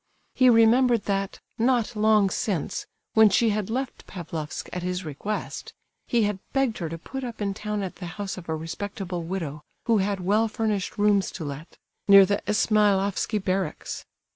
He remembered that, not long since, when she had left Pavlofsk at his request, he had begged her to put up in town at the house of a respectable widow, who had well furnished rooms to let, near the Ismailofsky barracks.